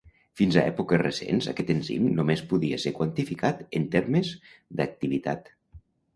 Fins a èpoques recents aquest enzim només podia ser quantificat en termes d'activitat.